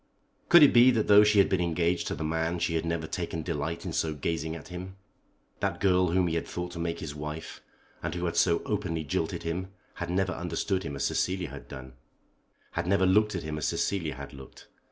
Could it be that though she had been engaged to the man she had never taken delight in so gazing at him? That girl whom he had thought to make his wife, and who had so openly jilted him, had never understood him as Cecilia had done, had never looked at him as Cecilia had looked.